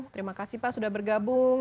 terima kasih pak sudah bergabung